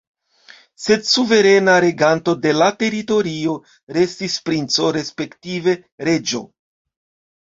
Sed suverena reganto de la teritorio restis princo, respektive reĝo.